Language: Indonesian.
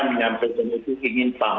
menyampaikan itu ingin pamit